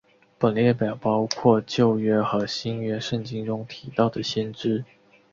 本列表包括旧约和新约圣经中提到的先知。